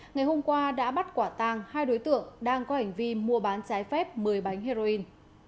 ngày hôm qua đã bắt quả tàng hai đối tượng đang có hành vi mua bán trái phép một mươi bánh heroin